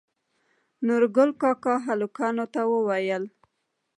نورګل کاکا هلکانو ته وويل